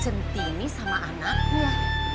centini sama anaknya